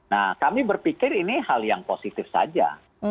nah kami berpikir ini hal yang positif saja